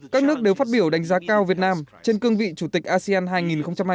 các nước đều phát biểu đánh giá cao việt nam trên cương vị chủ tịch asean hai nghìn hai mươi